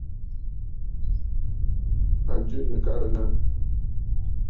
À jɨ nɨ̀karə̀ nâ.